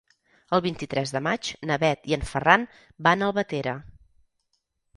El vint-i-tres de maig na Bet i en Ferran van a Albatera.